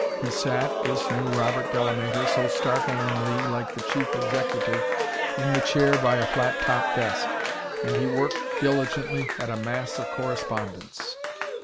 He sat, this new Robert Delamater, so startlingly like the Chief Executive, in the chair by a flat top desk. And he worked diligently at a mass of correspondence.